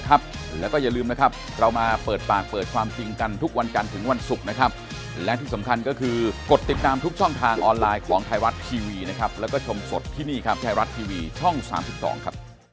ขอบคุณครับสวัสดีครับอาจารย์ครับสวัสดีครับสวัสดีครับ